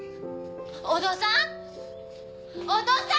お父さん！